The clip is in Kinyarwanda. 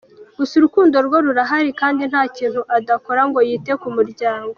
Gusa urukundo rwo rurahari kandi nta kintu adakora ngo yite ku muryango.